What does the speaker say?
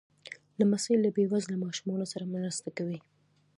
لمسی له بې وزله ماشومانو سره مرسته کوي.